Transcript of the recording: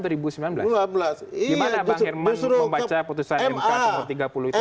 gimana bang herman membaca putusan mk nomor tiga puluh itu